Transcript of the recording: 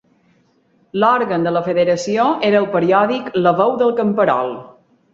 L'òrgan de la federació era el periòdic 'La veu del camperol'.